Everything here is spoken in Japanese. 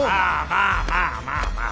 まあまあまあまあ。